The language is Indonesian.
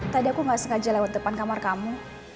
tadi aku nggak sengaja lewat depan kamar kamu